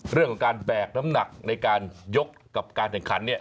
เรื่องของการแบกน้ำหนักในการยกกับการแข่งขันเนี่ย